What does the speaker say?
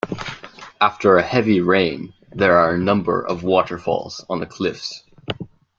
After heavy rain there are a number of waterfalls on the cliffs.